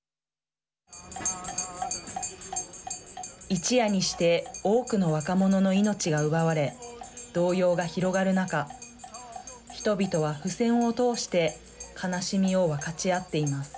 一夜にして多くの若者の命が奪われ動揺が広がる中人々は付箋を通して悲しみを分かち合っています。